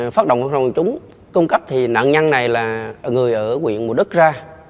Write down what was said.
phát động các mối quan hệ chúng cung cấp thì nạn nhân này là người ở quyện mùa đức ra